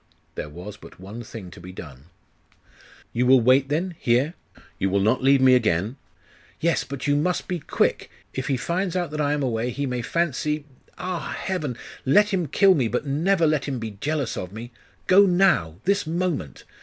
There was but one thing to be done. 'You will wait, then, here? You will not leave me again?' 'Yes. But you must be quick! If he finds out that I am away, he may fancy.... Ah, heaven! let him kill me, but never let him be jealous of me! Go now! this moment!